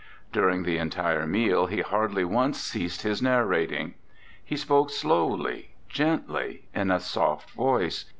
During the entire meal he hardly once ceased his narrating. He spoke slowly, gently, in a soft voice.